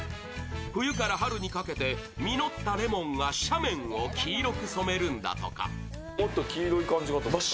冬から春にかけて実ったレモンが斜面を黄色く染めるんだとか。